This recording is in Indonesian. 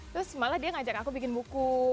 terus malah dia ngajak aku bikin buku